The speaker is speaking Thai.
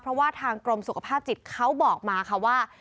เพราะว่าทางกรมสุขภาพจิตเขาบอกมาค่ะว่า